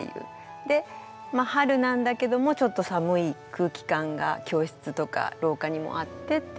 で春なんだけどもちょっと寒い空気感が教室とか廊下にもあってっていう。